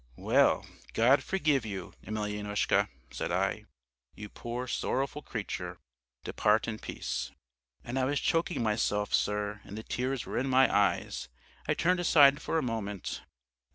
"'Well, God forgive you, Emelyanoushka,' said I, 'you poor, sorrowful creature. Depart in peace.' "And I was choking myself, sir, and the tears were in my eyes. I turned aside for a moment.